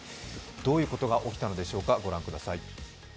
どういうことが起きたのでしょうかご覧ください。